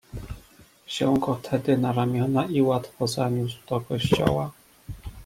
"Wziął go tedy na ramiona i łatwo zaniósł do kościoła."